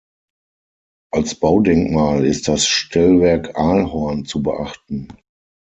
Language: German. Als Baudenkmal ist das Stellwerk Ahlhorn zu beachten.